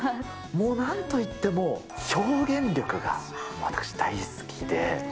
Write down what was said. もうなんといっても、表現力が、私大好きで。